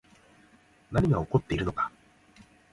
何が起こっているのか